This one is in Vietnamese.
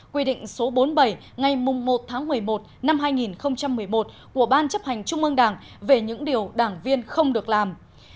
quy định số bốn mươi bảy ngày một tháng một mươi một năm hai nghìn một mươi một của ban chấp hành trung ương đảng về những điều đảng viên không được làm